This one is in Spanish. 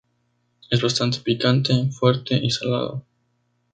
Es bastante picante, fuerte y salado.